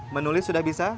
menulis sudah bisa